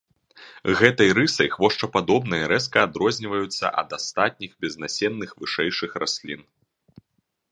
Гэтай рысай хвошчападобныя рэзка адрозніваюцца ад астатніх безнасенных вышэйшых раслін.